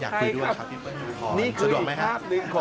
เป็นอีกภาพนะครับพี่ชมอ่ะ